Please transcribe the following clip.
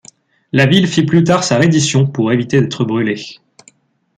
La ville fit plus tard sa reddition pour éviter d'être brulée.